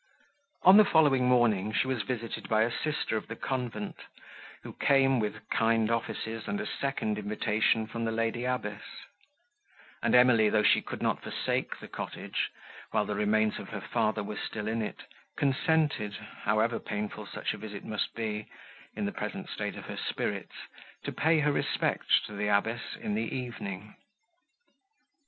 On the following morning, she was visited by a sister of the convent, who came, with kind offices and a second invitation from the lady abbess; and Emily, though she could not forsake the cottage, while the remains of her father were in it, consented, however painful such a visit must be, in the present state of her spirits, to pay her respects to the abbess, in the evening.